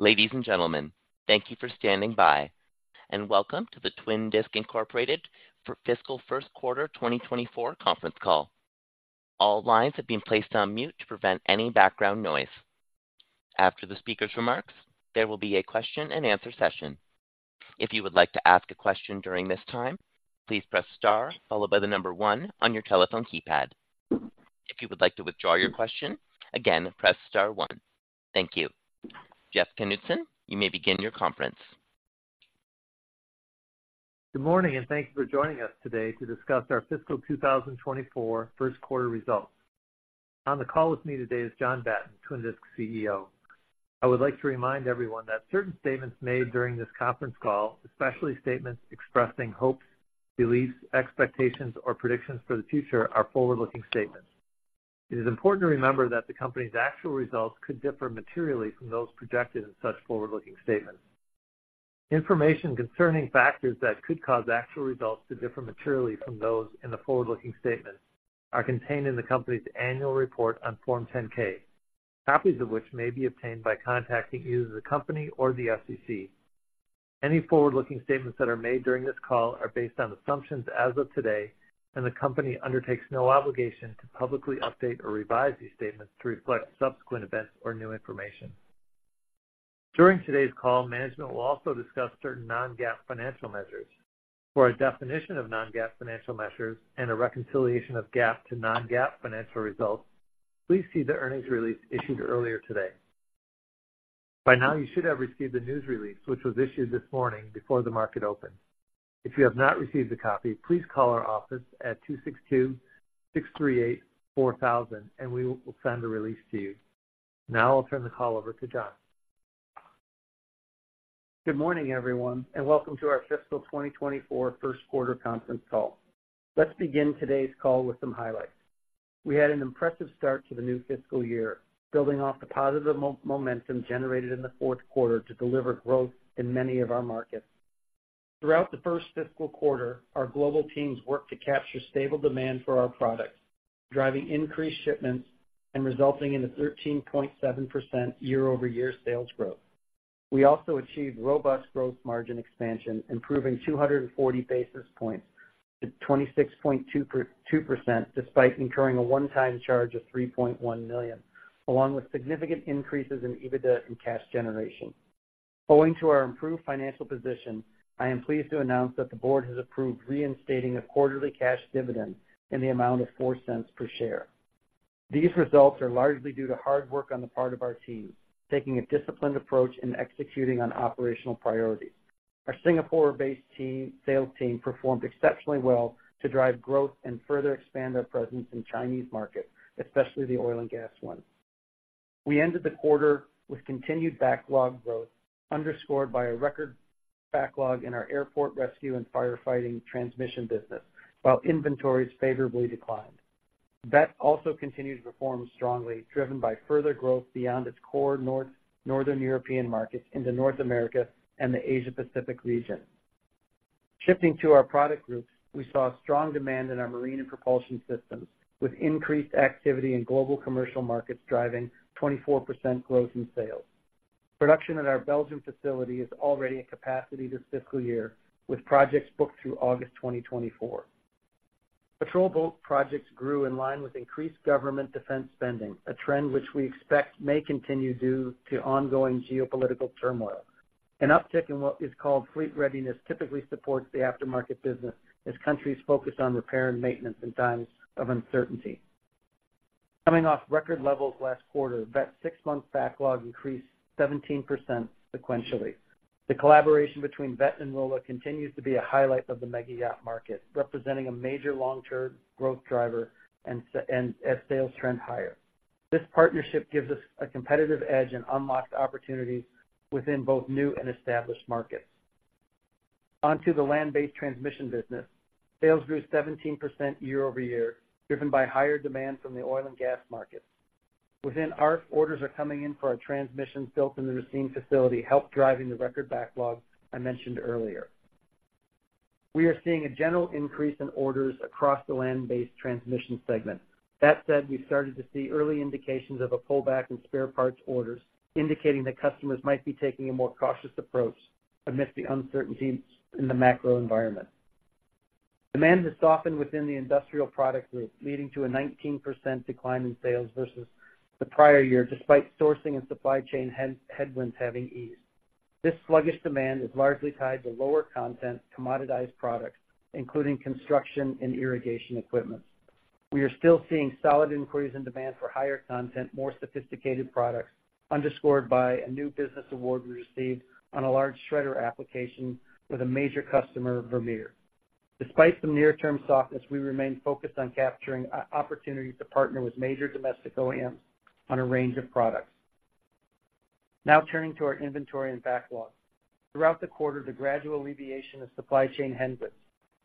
Ladies and gentlemen, thank you for standing by, and welcome to the Twin Disc, Incorporated for fiscal first quarter 2024 conference call. All lines have been placed on mute to prevent any background noise. After the speaker's remarks, there will be a question and answer session. If you would like to ask a question during this time, please press star followed by the number one on your telephone keypad. If you would like to withdraw your question, again, press star one. Thank you. Jeff Knutson, you may begin your conference. Good morning, and thank you for joining us today to discuss our fiscal 2024 first quarter results. On the call with me today is John Batten, Twin Disc CEO. I would like to remind everyone that certain statements made during this conference call, especially statements expressing hopes, beliefs, expectations, or predictions for the future, are forward-looking statements. It is important to remember that the company's actual results could differ materially from those projected in such forward-looking statements. Information concerning factors that could cause actual results to differ materially from those in the forward-looking statement are contained in the company's annual report on Form 10-K, copies of which may be obtained by contacting either the company or the SEC. Any forward-looking statements that are made during this call are based on assumptions as of today, and the company undertakes no obligation to publicly update or revise these statements to reflect subsequent events or new information. During today's call, management will also discuss certain non-GAAP financial measures. For a definition of non-GAAP financial measures and a reconciliation of GAAP to non-GAAP financial results, please see the earnings release issued earlier today. By now, you should have received the news release, which was issued this morning before the market opened. If you have not received a copy, please call our office at 262-638-4000, and we will send the release to you. Now I'll turn the call over to John. Good morning, everyone, and welcome to our fiscal 2024 first quarter conference call. Let's begin today's call with some highlights. We had an impressive start to the new fiscal year, building off the positive momentum generated in the fourth quarter to deliver growth in many of our markets. Throughout the first fiscal quarter, our global teams worked to capture stable demand for our products, driving increased shipments and resulting in a 13.7% year-over-year sales growth. We also achieved robust gross margin expansion, improving 240 basis points to 26.2%, despite incurring a one-time charge of $3.1 million, along with significant increases in EBITDA and cash generation. Owing to our improved financial position, I am pleased to announce that the board has approved reinstating a quarterly cash dividend in the amount of $0.04 per share. These results are largely due to hard work on the part of our team, taking a disciplined approach and executing on operational priorities. Our Singapore-based team, sales team performed exceptionally well to drive growth and further expand our presence in Chinese market, especially the oil and gas one. We ended the quarter with continued backlog growth, underscored by a record backlog in our airport rescue and firefighting transmission business, while inventories favorably declined. Veth also continued to perform strongly, driven by further growth beyond its core Northern European markets into North America and the Asia Pacific region. Shifting to our product groups, we saw strong demand in our Marine and Propulsion Systems, with increased activity in global commercial markets driving 24% growth in sales. Production at our Belgium facility is already at capacity this fiscal year, with projects booked through August 2024. Patrol boat projects grew in line with increased government defense spending, a trend which we expect may continue due to ongoing geopolitical turmoil. An uptick in what is called fleet readiness typically supports the aftermarket business as countries focus on repair and maintenance in times of uncertainty. Coming off record levels last quarter, Veth's six-month backlog increased 17% sequentially. The collaboration between Veth and Rolla continues to be a highlight of the mega yacht market, representing a major long-term growth driver and as sales trend higher. This partnership gives us a competitive edge and unlocks opportunities within both new and established markets. Onto the land-based transmission business. Sales grew 17% year-over-year, driven by higher demand from the oil and gas markets. Within ARFF, orders are coming in for our transmission built in the Racine facility, help driving the record backlog I mentioned earlier. We are seeing a general increase in orders across the land-based transmission segment. That said, we've started to see early indications of a pullback in spare parts orders, indicating that customers might be taking a more cautious approach amidst the uncertainties in the macro environment. Demand has softened within the industrial product group, leading to a 19% decline in sales versus the prior year, despite sourcing and supply chain headwinds having eased. This sluggish demand is largely tied to lower content, commoditized products, including construction and irrigation equipment. We are still seeing solid inquiries and demand for higher content, more sophisticated products, underscored by a new business award we received on a large shredder application with a major customer, Vermeer. Despite some near-term softness, we remain focused on capturing opportunities to partner with major domestic OEMs on a range of products. Now turning to our inventory and backlog. Throughout the quarter, the gradual alleviation of supply chain headwinds,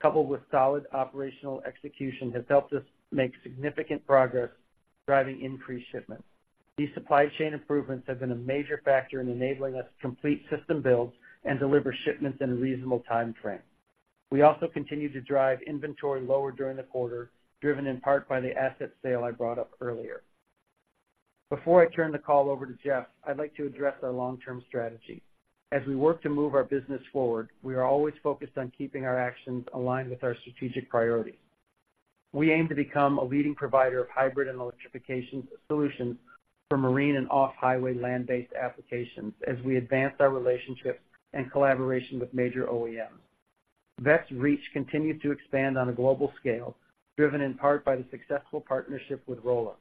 coupled with solid operational execution, has helped us make significant progress driving increased shipments. These supply chain improvements have been a major factor in enabling us to complete system builds and deliver shipments in a reasonable time frame. We also continued to drive inventory lower during the quarter, driven in part by the asset sale I brought up earlier. Before I turn the call over to Jeff, I'd like to address our long-term strategy. As we work to move our business forward, we are always focused on keeping our actions aligned with our strategic priorities. We aim to become a leading provider of hybrid and electrification solutions for marine and off-highway land-based applications as we advance our relationships and collaboration with major OEMs. Veth's reach continued to expand on a global scale, driven in part by the successful partnership with Rolla.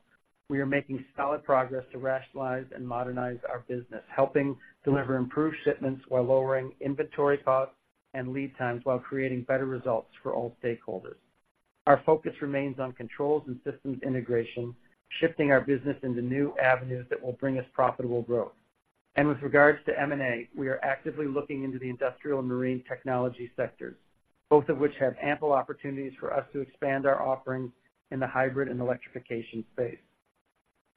We are making solid progress to rationalize and modernize our business, helping deliver improved shipments while lowering inventory costs and lead times, while creating better results for all stakeholders. Our focus remains on controls and systems integration, shifting our business into new avenues that will bring us profitable growth. And with regards to M&A, we are actively looking into the industrial and marine technology sectors, both of which have ample opportunities for us to expand our offerings in the hybrid and electrification space.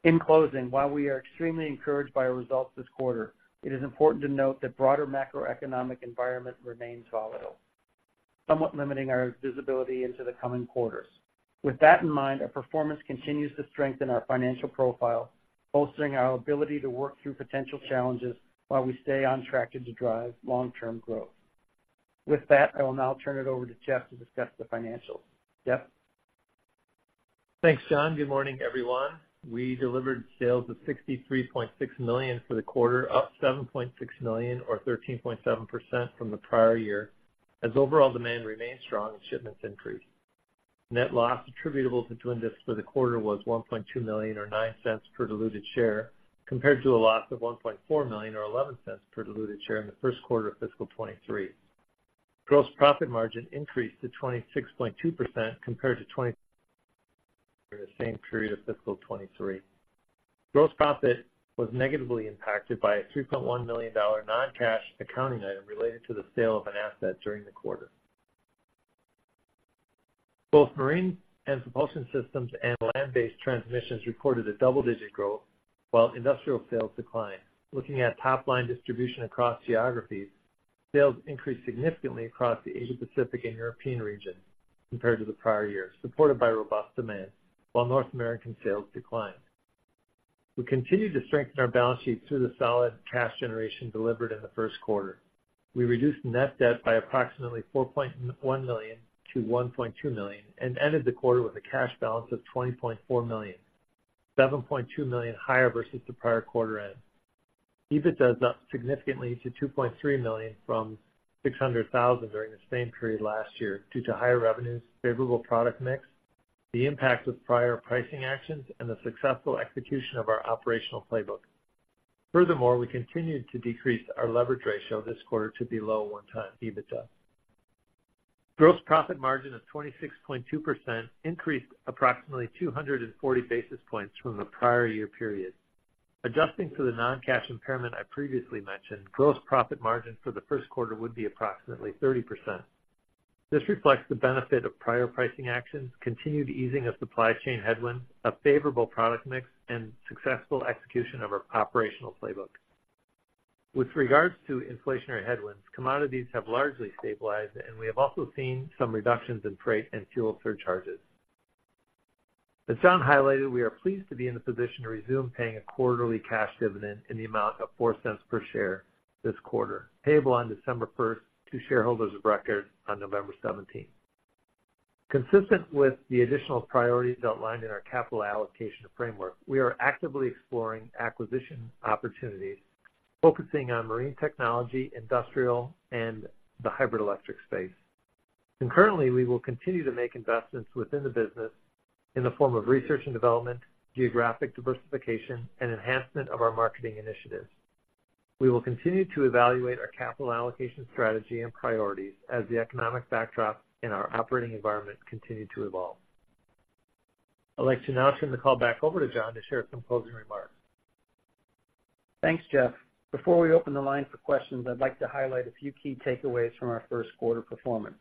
In closing, while we are extremely encouraged by our results this quarter, it is important to note that broader macroeconomic environment remains volatile, somewhat limiting our visibility into the coming quarters. With that in mind, our performance continues to strengthen our financial profile, bolstering our ability to work through potential challenges while we stay on track to drive long-term growth. With that, I will now turn it over to Jeff to discuss the financials. Jeff? Thanks, John. Good morning, everyone. We delivered sales of $63.6 million for the quarter, up $7.6 million, or 13.7% from the prior year, as overall demand remained strong and shipments increased. Net loss attributable to Twin Disc for the quarter was $1.2 million, or $0.09 per diluted share, compared to a loss of $1.4 million, or $0.11 per diluted share in the first quarter of fiscal 2023. Gross profit margin increased to 26.2% compared to 20% for the same period of fiscal 2023. Gross profit was negatively impacted by a $3.1 million non-cash accounting item related to the sale of an asset during the quarter. Both marine and propulsion systems and land-based transmissions recorded a double-digit growth, while industrial sales declined. Looking at top-line distribution across geographies, sales increased significantly across the Asia Pacific and European region compared to the prior year, supported by robust demand, while North American sales declined. We continued to strengthen our balance sheet through the solid cash generation delivered in the first quarter. We reduced net debt by approximately $4.1 million to $1.2 million, and ended the quarter with a cash balance of $20.4 million, $7.2 million higher versus the prior quarter end. EBITDA is up significantly to $2.3 million from $600,000 during the same period last year due to higher revenues, favorable product mix, the impact of prior pricing actions, and the successful execution of our operational playbook. Furthermore, we continued to decrease our leverage ratio this quarter to below 1x EBITDA. Gross profit margin of 26.2% increased approximately 240 basis points from the prior year period. Adjusting for the non-cash impairment I previously mentioned, gross profit margin for the first quarter would be approximately 30%. This reflects the benefit of prior pricing actions, continued easing of supply chain headwinds, a favorable product mix, and successful execution of our operational playbook. With regards to inflationary headwinds, commodities have largely stabilized, and we have also seen some reductions in freight and fuel surcharges. As John highlighted, we are pleased to be in the position to resume paying a quarterly cash dividend in the amount of $0.04 per share this quarter, payable on December 1st to shareholders of record on November 17. Consistent with the additional priorities outlined in our capital allocation framework, we are actively exploring acquisition opportunities, focusing on marine technology, industrial, and the hybrid electric space. Concurrently, we will continue to make investments within the business in the form of research and development, geographic diversification, and enhancement of our marketing initiatives. We will continue to evaluate our capital allocation strategy and priorities as the economic backdrop and our operating environment continue to evolve. I'd like to now turn the call back over to John to share some closing remarks. Thanks, Jeff. Before we open the line for questions, I'd like to highlight a few key takeaways from our first quarter performance.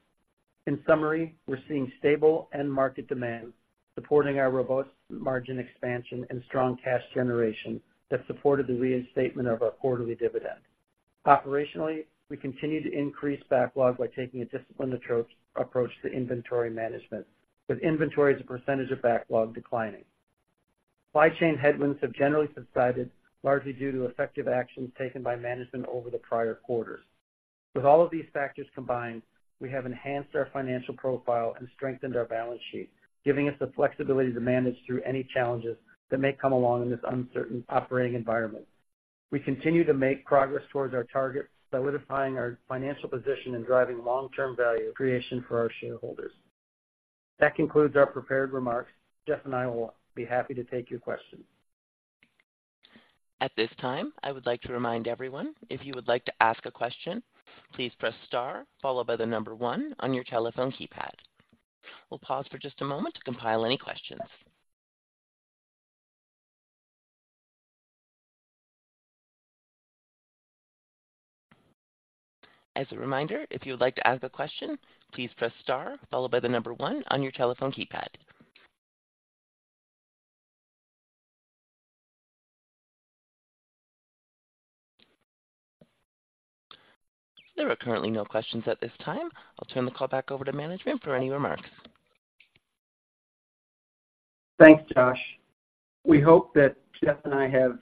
In summary, we're seeing stable end market demand, supporting our robust margin expansion and strong cash generation that supported the reinstatement of our quarterly dividend. Operationally, we continue to increase backlog by taking a disciplined approach to inventory management, with inventory as a percentage of backlog declining. Supply chain headwinds have generally subsided, largely due to effective actions taken by management over the prior quarters. With all of these factors combined, we have enhanced our financial profile and strengthened our balance sheet, giving us the flexibility to manage through any challenges that may come along in this uncertain operating environment. We continue to make progress towards our target, solidifying our financial position and driving long-term value creation for our shareholders. That concludes our prepared remarks. Jeff and I will be happy to take your questions. At this time, I would like to remind everyone, if you would like to ask a question, please press star followed by the number one on your telephone keypad. We'll pause for just a moment to compile any questions. As a reminder, if you would like to ask a question, please press star followed by the number one on your telephone keypad. There are currently no questions at this time. I'll turn the call back over to management for any remarks. Thanks, Josh. We hope that Jeff and I have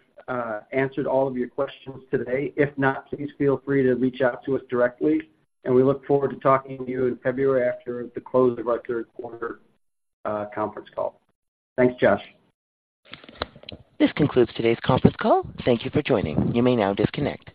answered all of your questions today. If not, please feel free to reach out to us directly, and we look forward to talking to you in February after the close of our third quarter conference call. Thanks, Josh. This concludes today's conference call. Thank you for joining. You may now disconnect.